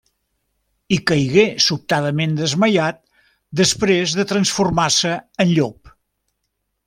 I caigué sobtadament desmaiat, després de transformant-se- en llop.